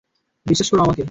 বিশ্বাস করো আমাকে।